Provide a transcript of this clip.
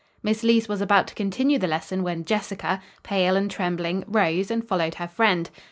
Miss Leece was about to continue the lesson when Jessica, pale and trembling, rose and followed her friend.